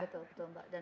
betul betul mbak